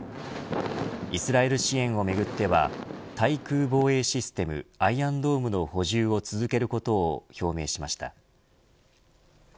イスラエル支援をめぐっては対空防衛システムアイアンドームの補充を続けることを表明しました。